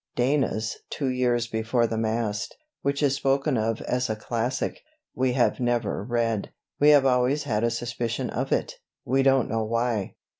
Dana's "Two Years Before the Mast," which is spoken of as a classic, we have never read. We have always had a suspicion of it, we don't know why.